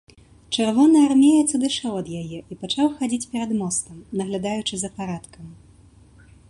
Чырвонаармеец адышоў ад яе і пачаў хадзіць перад мостам, наглядаючы за парадкам.